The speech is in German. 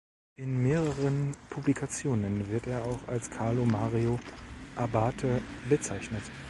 In mehreren Publikationen wird er auch als Carlo Mario Abate bezeichnet.